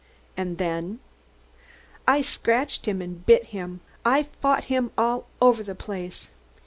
"And then?" "I scratched him and bit him. I fought him all over the place.